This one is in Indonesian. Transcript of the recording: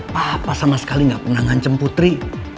papa sama sekali nggak pernah ngancam putri